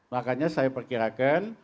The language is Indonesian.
makanya saya perkirakan